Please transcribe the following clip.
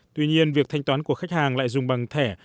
tuy nhiên việc thanh toán của khách hàng lại dùng bằng thẻ